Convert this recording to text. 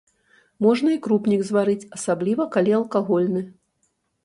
Можна і крупнік зварыць, асабліва, калі алкагольны.